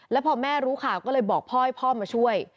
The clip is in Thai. แล้วพอแม่รู้ข่าวก็เลยบอกพ่อให้พ่อมาช่วย